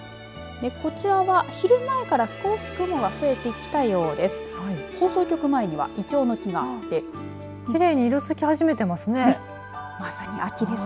こちらは昼前から少し雲が増えてきたようです。